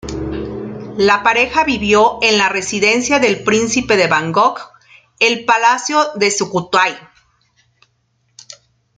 La pareja vivió en la residencia del príncipe en Bangkok, el Palacio de Sukhothai.